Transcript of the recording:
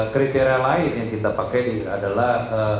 kriteria lain yang kita pakai adalah